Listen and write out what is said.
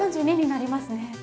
３２になりますね。